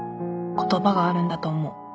言葉があるんだと思う。